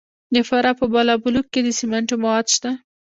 د فراه په بالابلوک کې د سمنټو مواد شته.